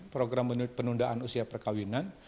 program penundaan usia perkawinan